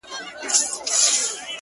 • خداى دي كړي خير گراني څه سوي نه وي ـ